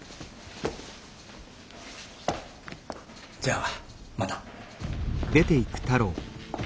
じゃあまた。